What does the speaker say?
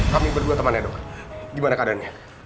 kami berdua temannya dok gimana keadaannya